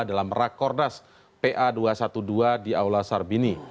dalam rakordas pa dua ratus dua belas di aula sarbini